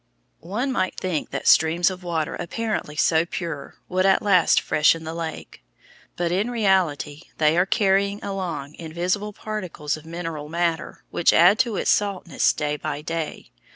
One might think that streams of water apparently so pure would at last freshen the lake, but in reality they are carrying along invisible particles of mineral matter which add to its saltness day by day.